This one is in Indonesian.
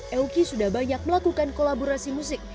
eoki sudah banyak melakukan kolaborasi musik